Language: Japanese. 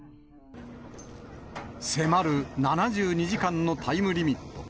迫る７２時間のタイムリミット。